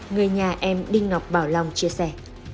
người nhà em đinh ngọc bảo long chia sẻ